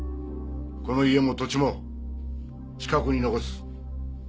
この家も土地もチカ子に残す。